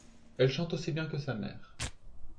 Elle chante aussi bien que sa mère.